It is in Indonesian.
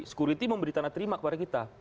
security memberi tanda terima kepada kita